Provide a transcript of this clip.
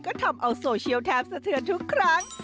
ก็ทำเอาโซเชียลแทบสะเทือนทุกครั้ง